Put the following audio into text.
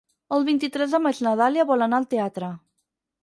El vint-i-tres de maig na Dàlia vol anar al teatre.